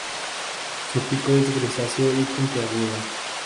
Su pico es grisáceo y puntiagudo.